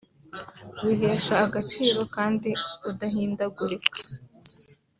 wihesha agaciro kandi udahindagurika